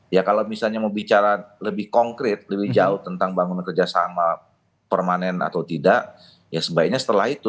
ya kalau misalnya mau bicara lebih konkret lebih jauh tentang bangunan kerjasama permanen atau tidak ya sebaiknya setelah itu